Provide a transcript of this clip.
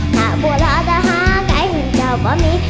ถ้าบัวเราจะหาใกล้หุ่นจอบว่ามี